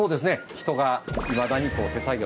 人がいまだにこう手作業。